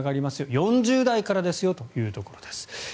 ４０代からですよというところです。